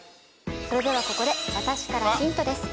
それではここで私からヒントです